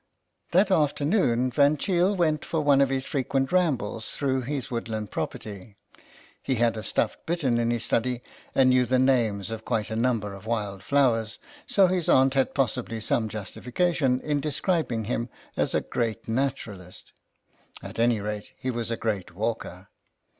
That afternoon Van Cheele went for one of his frequent rambles through his woodland property. He had a stuffed bittern in his study, and knew the names of quite a number of wild flowers, so his aunt had 47 48 GABRIEL ERNEST possibly some justification in describing him as a great naturalist. At any rate, he was a great walker.